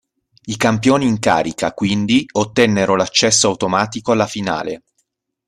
I campioni in carica, quindi, ottennero l'accesso automatico alla finale.